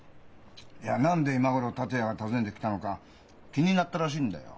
いや何で今頃達也が訪ねてきたのか気になったらしいんだよ。